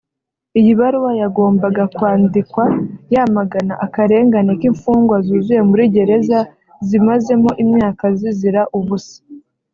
Iyi baruwa yagombaga kwandikwa yamagana akarengane k’imfungwa zuzuye muri gereza zimazemo imyaka zizira ubusa